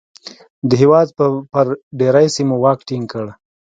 د هېواد پر ډېری سیمو واک ټینګ کړ.